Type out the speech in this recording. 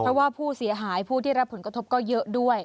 เพราะว่าผู้เสียหายผู้ที่รับผลกระทบก็เยอะด้วย